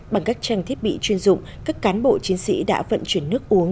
bằng các trang thiết bị chuyên dụng các cán bộ chiến sĩ đã vận chuyển nước uống